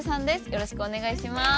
よろしくお願いします。